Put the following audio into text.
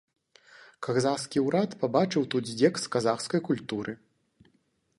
Казахскі ўрад пабачыў тут здзек з казахскай культуры.